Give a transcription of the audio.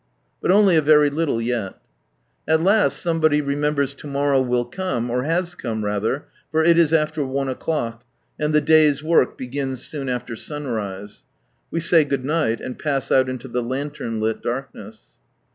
But only a very little yeL At last somebody remembers to morrow will come, or has come rather, for it is after one o'clock, and the day's work begins soon after sunrise. We say good night, and pass out into the lantern lit darkness.